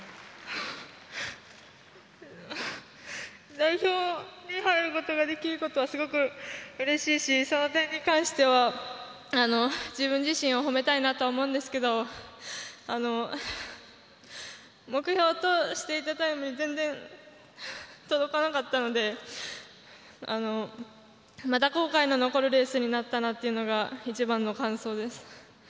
代表に入ることができることはすごくうれしいしその点に関しては自分自身を褒めたいなと思うんですけど目標としていたタイムに全然届かなかったのでまた後悔の残るレースになったなというのが一番の感想です。